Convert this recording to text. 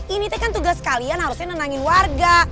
ini teh kan tugas kalian harusnya nenangin warga